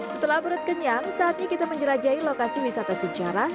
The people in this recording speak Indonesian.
setelah perut kenyang saatnya kita menjelajahi lokasi wisata sejarah